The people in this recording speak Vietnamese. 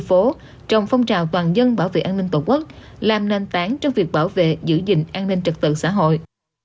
phố trong phong trào toàn dân bảo vệ an ninh tổ quốc làm nền tảng trong việc bảo vệ giữ gìn an ninh trật tự xã hội